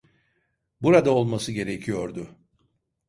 Burada olması gerekiyordu.